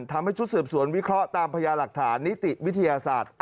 ชุดสืบสวนวิเคราะห์ตามพยาหลักฐานนิติวิทยาศาสตร์